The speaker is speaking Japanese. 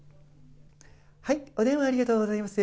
はい、お電話ありがとうございます。